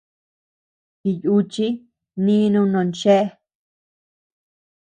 Jiyúchi nínu non chéa.